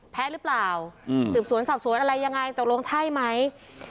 แพ้หรือเปล่าสืบสวนสอบสวนอะไรยังไงตกลงใช่ไหม